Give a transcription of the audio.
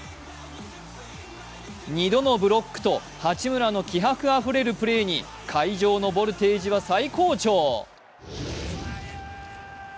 ２度のブロックと八村の気迫あふれるプレーに会場のボルテージは最高潮。